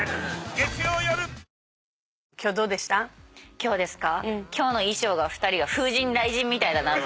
今日ですか？